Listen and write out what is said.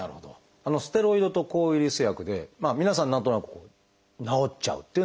ステロイドと抗ウイルス薬で皆さん何となく治っちゃうっていうのはあるんですか？